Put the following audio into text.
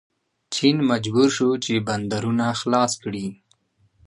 چین مجبور شو چې بندرونه خلاص کړي.